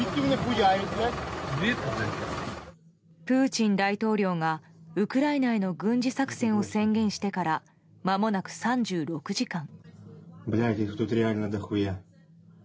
プーチン大統領がウクライナへの軍事作戦を宣言してからまもなく３６時間。